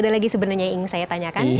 satu lagi sebenarnya yang ingin saya tanyakan